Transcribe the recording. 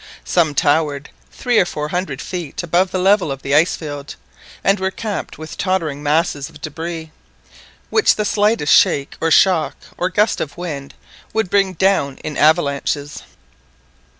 Some towered three or four hundred feet above the level of the ice field, and were capped with tottering masses of debris, which the slightest shake or shock or gust of wind would bring down in avalanches.